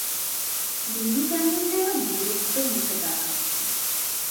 বিনু কেমন যেন বিরক্ত মুখে তাকাচ্ছে।